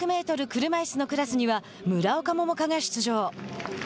車いすのクラスには村岡桃佳が出場。